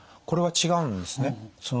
これは違うんですね。